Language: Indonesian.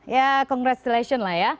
ya congratulations lah ya